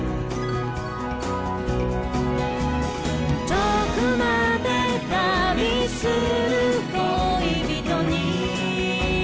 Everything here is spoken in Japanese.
「遠くまで旅する恋人に」